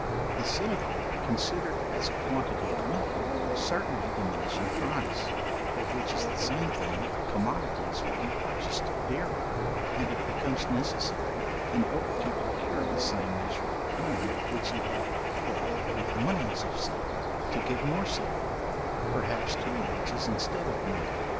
The silver considered as a quantity of metal, will certainly diminish in price, or which is the same thing, commodities will be purchased dearer, and it becomes necessary, in order to procure the same measure of corn which he had before with one ounce of silver, to give more silver, perhaps two ounces instead of one.